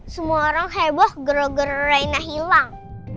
semua orang heboh gero gero reina hilang